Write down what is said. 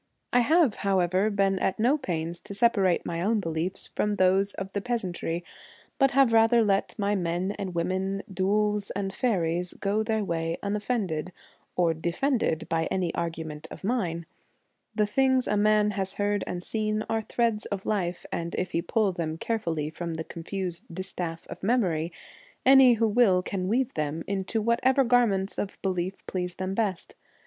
I have, however, been at no pains to separate my own beliefs from those of the peasantry, but have rather let my men and women, dhouls and faeries, go their way unoffended or defended by any argument of mine. The things a man has heard and seen are threads of life, and if he pull them care fully from the confused distaff of memory, any who will can weave them into what ever garments of belief please them best.